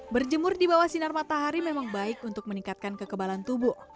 berjemur di bawah sinar matahari memang baik untuk meningkatkan kekebalan tubuh